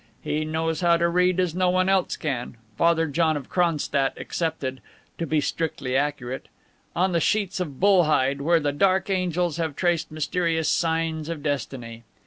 He knows how to read as no one else can Father John of Cronstadt excepted, to be strictly accurate on the sheets of bull hide where the dark angels have traced mysterious signs of destiny."